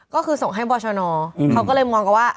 ก็คือส่งให้บรชนเขาก็เลยมองกันว่า